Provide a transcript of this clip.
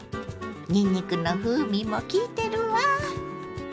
にんにくの風味もきいてるわ。